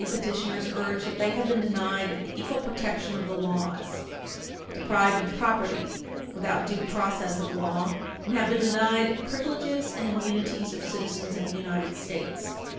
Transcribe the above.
8 petitioners urge that they have been denied the equal protection of the laws, deprived of property without due process of law, and have been denied privileges and immunities of citizens of the United States.